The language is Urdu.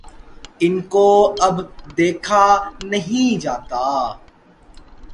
ان کو اب دیکھا نہیں جاتا۔